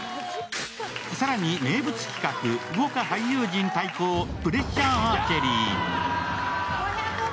更に名物企画、豪華俳優陣対抗「重圧アーチェリー」。